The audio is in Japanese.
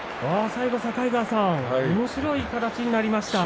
最後、境川さんおもしろい形になりました。